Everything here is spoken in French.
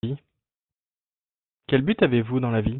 Quel but avez-vous dans la vie ?